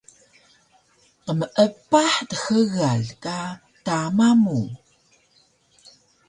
Qmeepah dxgal ka tama mu